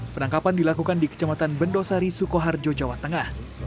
penangkapan dilakukan di kecamatan bendosari sukoharjo jawa tengah